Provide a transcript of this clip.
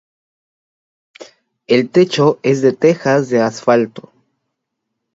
El techo es de tejas de asfalto.